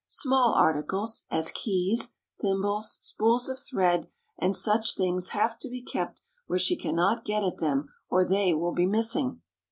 Small articles, as keys, thimbles, spools of thread and such things have to be kept where she cannot get at them or they will be missing.